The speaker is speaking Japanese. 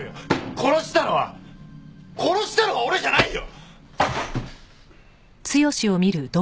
殺したのは殺したのは俺じゃないよ！